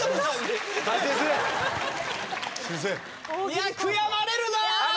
いや悔やまれるな。